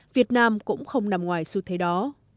việt nam cũng không nằm ngoài xu thế đó